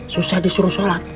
susah disuruh sholat